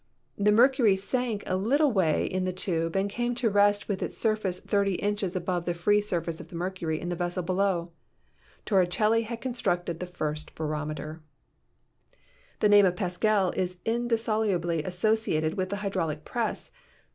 The mercury sank a little way in the tube and came to rest with its surface 30 inches above the free surface of the mercury in the vessel below. Torricelli had constructed the first barometer. 34 PHYSICS The name of Pascal is indissolubly associated with the hydraulic press.